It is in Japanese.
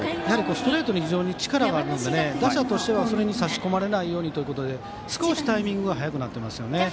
ストレートに非常に力があるので打者としてはそれに差し込まれないようにと少しタイミングが早くなっていますね。